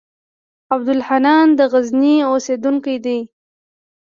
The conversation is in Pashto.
عبدالحنان د غزني اوسېدونکی دی.